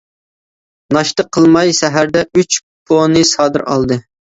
ناشتا قىلماي سەھەردە، ئۈچ پونى سادىر ئالدى.